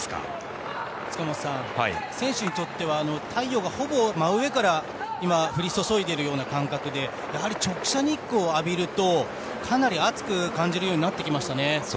塚本さん選手によっては太陽がほぼ真上から降り注いでいるような感覚でやはり直射日光を浴びるとかなり暑く感じるようになってきましたね。